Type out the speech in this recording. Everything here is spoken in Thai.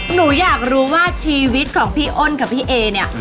หนูอยากรู้ว่าชีวิตของพี่อ้นกับพี่เอเนี่ย